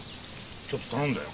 ちょっと頼んだよ。